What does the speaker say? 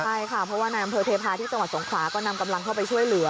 ใช่ค่ะเพราะว่าในอำเภอเทพาะที่จังหวัดสงขลาก็นำกำลังเข้าไปช่วยเหลือ